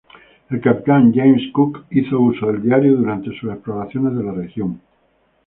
El capitán James Cook hizo uso del diario durante sus exploraciones de la región.